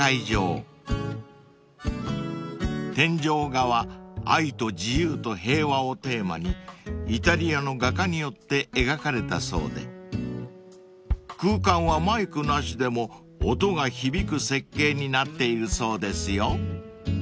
［天井画は愛と自由と平和をテーマにイタリアの画家によって描かれたそうで空間はマイクなしでも音が響く設計になっているそうですよ］